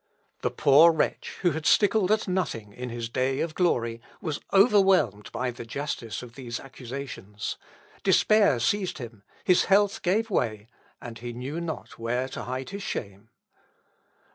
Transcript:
The poor wretch, who had stickled at nothing in his day of glory, was overwhelmed by the justice of these accusations: despair seized him, his health gave way, and he knew not where to hide his shame.